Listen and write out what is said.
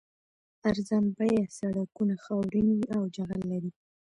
ارزان بیه سړکونه خاورین وي او جغل لري